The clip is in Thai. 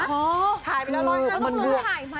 ห่อถ่ายไปแล้ว๑๕๐กว่าที่นี่นะ